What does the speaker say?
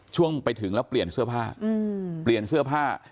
ช่วงไปถึงแล้วเปลี่ยนเสื้อผ้าเปลี่ยนเสื้อผ้า